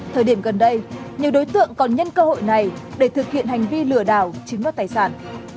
thời điểm gần đây nhiều đối tượng còn nhân cơ hội này để thực hiện hành vi lừa đảo chiếm đoạt tài sản